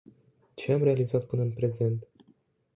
Ce am realizat până în prezent?